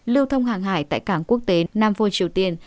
lưu thông hàng hải tại cảng quốc tế nam phôi triều tiên